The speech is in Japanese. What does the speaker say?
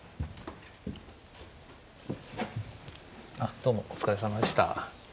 どうもお疲れさまでした。